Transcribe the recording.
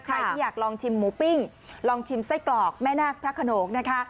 ใครที่อยากลองชิมหมูปิ้งลองชิมไส้กรอกแม่นาคพระขนงนะคะ